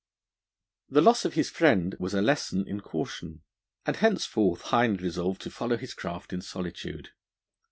The loss of his friend was a lesson in caution, and henceforth Hind resolved to follow his craft in solitude.